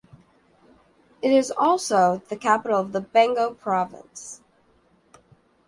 It is also the capital of the Bengo province.